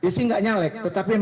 dia sih gak nyalek tetapi